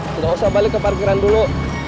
tidak usah balik ke parkiran dulu